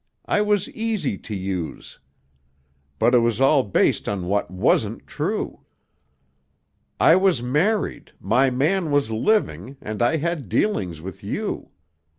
I was easy to use. But it was all based on what wasn't true. I was married, my man was living, and I had dealings with you.